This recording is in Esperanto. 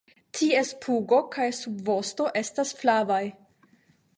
Ties pugo kaj subvosto estas flavaj.